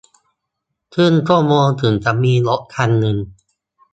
ครึ่งชั่วโมงถึงจะมีรถคันนึง